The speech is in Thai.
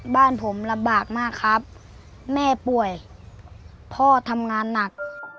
บ้านผมลำบากมากครับแม่ป่วยพ่อทำงานหนัก